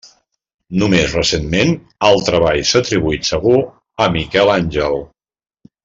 Només recentment, el treball s'ha atribuït segur, a Miquel Àngel.